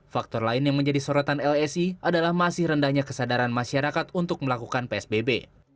faktor lain yang menjadi sorotan lsi adalah masih rendahnya kesadaran masyarakat untuk melakukan psbb